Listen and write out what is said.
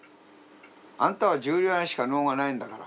「あんたは重量挙げしか能がないんだから」